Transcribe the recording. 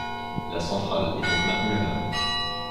La centrale est donc maintenue à l'arrêt.